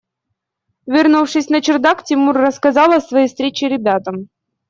Вернувшись на чердак, Тимур рассказал о своей встрече ребятам.